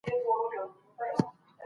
د وینې جوړول د درې اونیو پروسه ده.